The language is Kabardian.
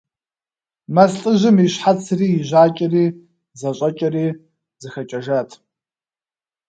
Мэз лӏыжьым и щхьэцри и жьакӏэри зэщӏэкӏэри зыхэкӏэжат.